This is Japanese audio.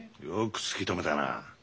よく突き止めたな。